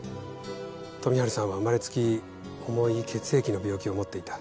富治さんは生まれつき重い血液の病気を持っていた。